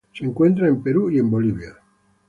Se encuentra en Perú y Bolivia.